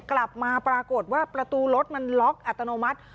กลับมาปรากฏว่าประตูรถมันล็อกอัตโนมัติ